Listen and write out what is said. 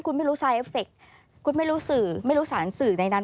คุณไม่รู้ไซเอฟเฟคคุณไม่รู้สื่อไม่รู้สารสื่อในนั้น